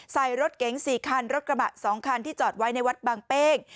ใส่รถเก๋ง๔คันรถกระบะ๒คันที่จอดไว้ในวัดบางเป้ง